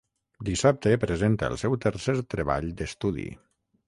Dissabte presenta el seu tercer treball d'estudi.